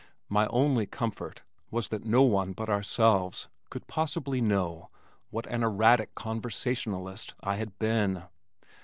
My only comfort was that no one but ourselves could possibly know what an erratic conversationalist I had been.